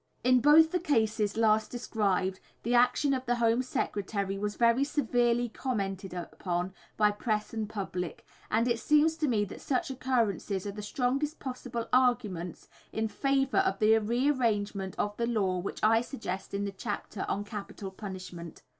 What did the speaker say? In both the cases last described the action of the Home Secretary was very severely commented upon by press and public, and it seems to me that such occurrences are the strongest possible arguments in favour of the re arrangement of the law which I suggest in the chapter on "Capital Punishment."